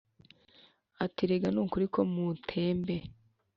Ati: "Erega ni ukuri ko Mutembe!